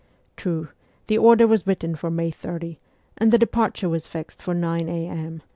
True, the order was written for May 30, and the departure was fixed for nine A.M.